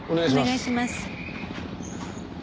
お願いします。